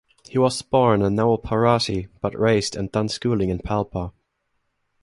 He was born in Nawalparasi but raised and done schooling in Palpa.